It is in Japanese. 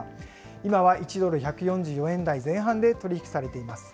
今は１ドル１４４円台前半で取り引きされています。